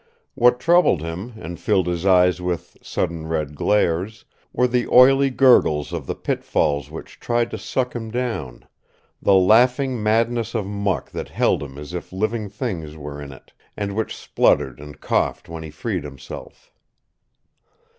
What troubled him, and filled his eyes with sudden red glares, were the oily gurgles of the pitfalls which tried to suck him down; the laughing madness of muck that held him as if living things were in it, and which spluttered and coughed when he freed himself.